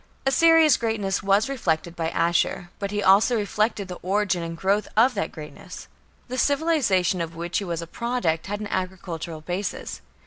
Assyria's greatness was reflected by Ashur, but he also reflected the origin and growth of that greatness. The civilization of which he was a product had an agricultural basis.